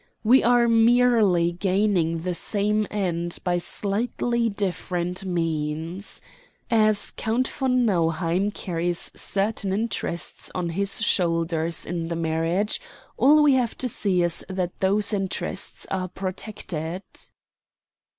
We are merely gaining the same end by slightly different means. As Count von Nauheim carries certain interests on his shoulders in the marriage, all we have to see is that those interests are protected."